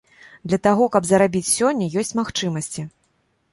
Для таго каб зарабіць, сёння ёсць магчымасці.